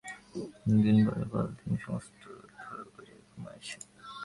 অনেক দিন পরে কাল তিনি সমস্ত রাত ভালো করিয়া ঘুমাইয়াছেন।